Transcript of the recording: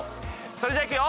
それじゃいくよ！